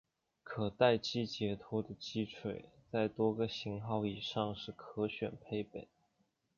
可待击解脱的击锤在多个型号以上是可选配备。